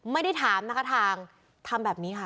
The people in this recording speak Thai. ไม่ได้ถามนะคะทางทำแบบนี้ค่ะ